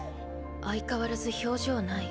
相変わらず表情ない。